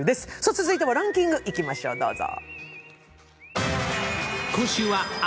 続いてはランキングいきましょう、どうぞ。